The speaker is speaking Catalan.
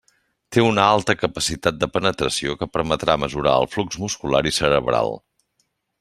Té una alta capacitat de penetració que permetrà mesurar el flux muscular i cerebral.